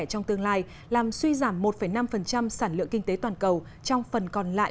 trong tương lai làm suy giảm một năm sản lượng kinh tế toàn cầu trong phần còn lại